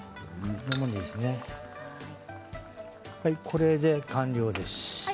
これで完了です。